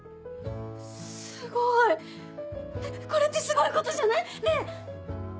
すごい！えっこれってすごいことじゃない？ねぇ！